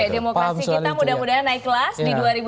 demokrasi kita mudah mudahan naik kelas di dua ribu dua puluh